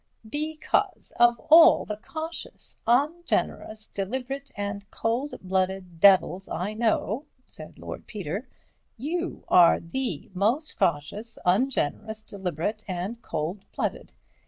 "Because of all the cautious, ungenerous, deliberate and cold blooded devils I know," said Lord Peter, "you are the most cautious, ungenerous, deliberate and cold blooded.